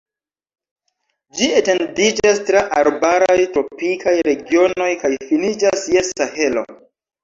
Ĝi etendiĝas tra arbaraj, tropikaj, regionoj kaj finiĝas je Sahelo.